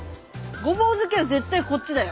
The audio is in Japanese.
ごぼう好きは絶対こっちだよ。